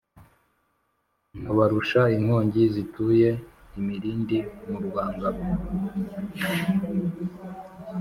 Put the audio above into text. nkabarusha inkongi zituye imilindi mu rwa Ngabo.